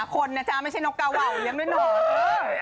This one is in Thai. คนนะจ๊ะไม่ใช่นกกะเหว่างึ่งเลย